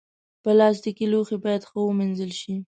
پلاستيکي لوښي باید ښه ومینځل شي.